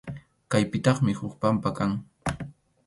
Kaypitaqmi huk pampa kan.